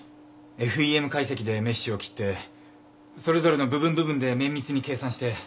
ＦＥＭ解析でメッシュを切ってそれぞれの部分部分で綿密に計算して。